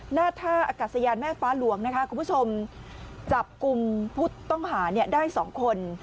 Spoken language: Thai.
หน้าท่าอากาศยานแม่ฟ้าหลวงนะคะคุณผู้ชมจับกลุ่มผู้ต้องหาได้๒คน